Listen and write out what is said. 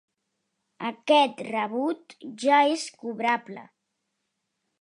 Aquest rebut ja és cobrable.